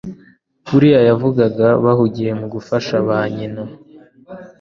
buri gihe yabavugaga, bahugiye mu gufasha ba nyina